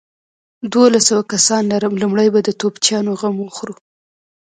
دوولس سوه کسان لرم، لومړۍ به د توپچيانو غم وخورو.